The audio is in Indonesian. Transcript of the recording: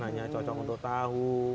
hanya cocok untuk tahu